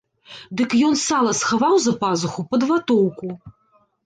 Дык ён сала схаваў за пазуху пад ватоўку.